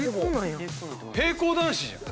平行男子じゃん。